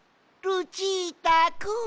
ルチータくん！